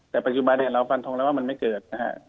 แต่ปัจจุบันเราฟันทงแล้วว่ามันไม่เกิดนะฮะ